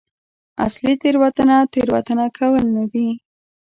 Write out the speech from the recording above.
اصلي تېروتنه تېروتنه کول نه دي.